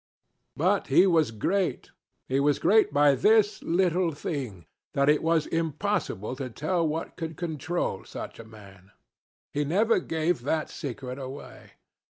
But he was great. He was great by this little thing that it was impossible to tell what could control such a man. He never gave that secret away.